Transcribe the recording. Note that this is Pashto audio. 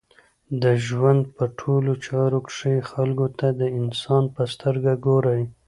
د ژوند په ټولو چارو کښي خلکو ته د انسان په سترګه ګورئ!